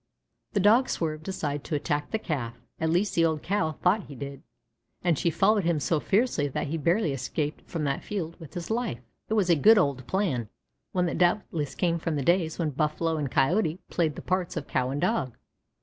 The Dog swerved aside to attack the Calf, at least the old Cow thought he did, and she followed him so fiercely that he barely escaped from that field with his life. It was a good old plan one that doubtless came from the days when Buffalo and Coyote played the parts of Cow and Dog.